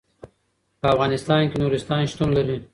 په افغانستان کې نورستان شتون لري.